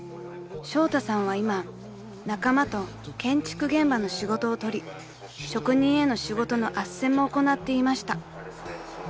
［ショウタさんは今仲間と建築現場の仕事を取り職人への仕事のあっせんも行っていました］